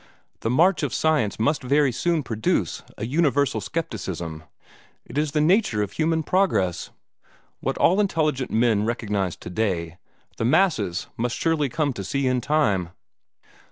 The march of science must very soon produce a universal scepticism. It is in the nature of human progress. What all intelligent men recognize today, the masses must surely come to see in time."